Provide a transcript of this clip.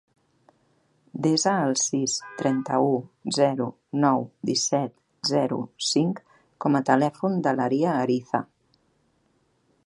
Desa el sis, trenta-u, zero, nou, disset, zero, cinc com a telèfon de l'Aria Ariza.